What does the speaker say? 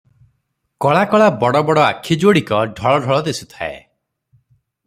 କଳା କଳା ବଡ଼ବଡ଼ ଆଖି ଯୋଡ଼ିକ ଢଳ ଢଳ ଦିଶୁଥାଏ ।